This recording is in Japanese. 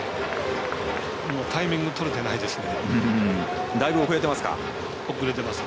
タイミング取れてないですね。